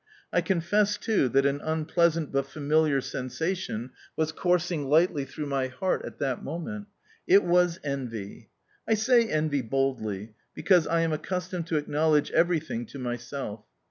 I confess, too, that an unpleasant but familiar sensation was coursing lightly through my heart at that moment. It was envy. I say "envy" boldly, because I am accustomed to acknowledge everything to myself.